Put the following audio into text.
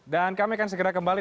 dan kami akan segera kembali